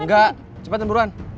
enggak cepetin buruan